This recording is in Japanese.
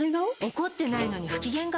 怒ってないのに不機嫌顔？